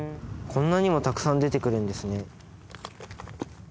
こんなにもたくさん出てくるんですね。